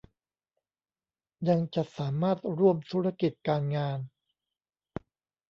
ยังจะสามารถร่วมธุรกิจการงาน